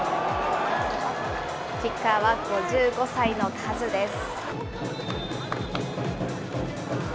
キッカーは、５５歳のカズです。